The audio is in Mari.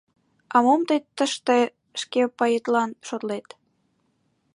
А мом тый тыште шке паетлан шотлет?